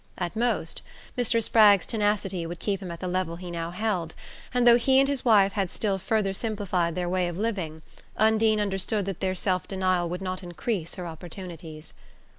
At most, Mr. Spragg's tenacity would keep him at the level he now held, and though he and his wife had still further simplified their way of living Undine understood that their self denial would not increase her opportunities.